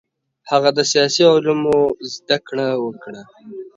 هغه د سیاسي علومو زده کړه وکړه.